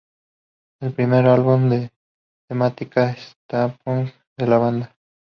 Es el primer álbum de temática Steampunk de la banda.